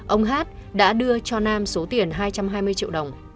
ông hát đã đưa cho nam số tiền hai trăm hai mươi triệu đồng